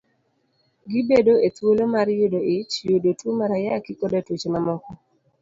Gibedo e thuolo mar yudo ich, yudo tuo mar Ayaki, koda tuoche mamoko.